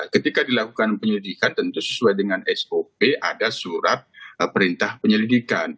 ketika dilakukan penyelidikan tentu sesuai dengan sop ada surat perintah penyelidikan